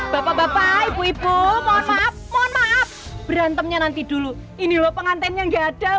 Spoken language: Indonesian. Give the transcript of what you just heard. bapak bapak ibu ibu mohon maaf mohon maaf berantemnya nanti dulu ini loh pengantennya nggak ada